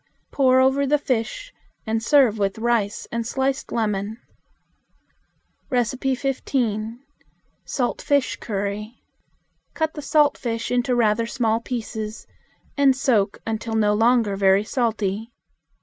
Pour over the fish, and serve with rice and sliced lemon. 15. Salt Fish Curry. Cut the salt fish into rather small pieces, and soak until no longer very salty.